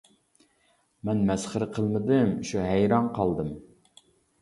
-مەن مەسخىرە قىلمىدىم شۇ ھەيران قالدىم.